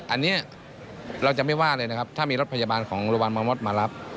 อันนี้เราจะไม่ว่าเลยนะครับถ้ามีรถพยาบาลของโรงพยาบาลเมืองมดมารับ